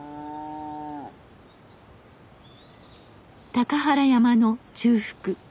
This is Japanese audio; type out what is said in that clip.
高原山の中腹。